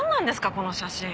この写真。